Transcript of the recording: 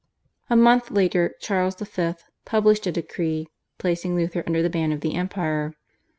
A month later Charles V. published a decree placing Luther under the ban of the Empire.